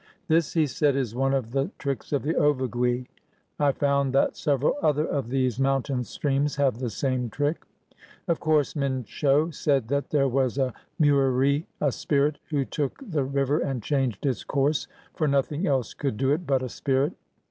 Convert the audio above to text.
" This," he said, "is one of the tricks of the Ovigui." I found that several other of these mountain streams have the same trick. Of course Min sho said that there was a muiri (a spirit) who took the river and changed its course, for nothing else could do it but a spirit.